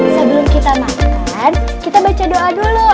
sebelum kita makan kita baca doa dulu